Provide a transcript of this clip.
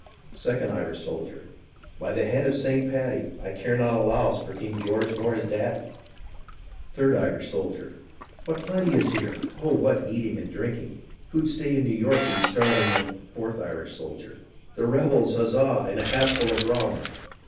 Second Irish Soldier By the head of St. Paddy I care not a louse for King George nor his daddy. Third Irish Soldier What plenty is here! Oh, what eating and drinking ! Who'd stay in New York to be starving and — Fourth Irish Soldier The rebels, huzza ! in a hat full of rum.